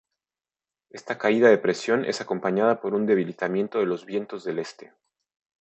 Esta caída de presión es acompañada por un debilitamiento de los vientos del este.